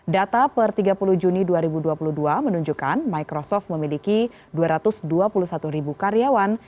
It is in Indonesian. data per tiga puluh juni dua ribu dua puluh dua menunjukkan microsoft memiliki dua ratus dua puluh satu ribu karyawan